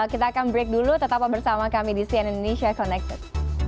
kita akan break dulu tetap bersama kami di cnn indonesia connected